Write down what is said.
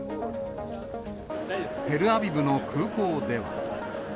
テルアビブの空港では。